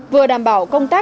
vừa đảm bảo công tác